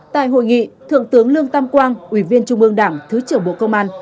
tại hội nghị thượng tướng lương tam quang ủy viên trung ương đảng thứ trưởng bộ công an